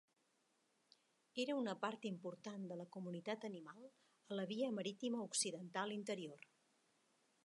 Era una part important de la comunitat animal a la Via Marítima Occidental Interior.